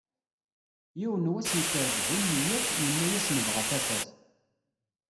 Yiwen n wass yekker-d bu nniyat, yenna-as nebγa tafat.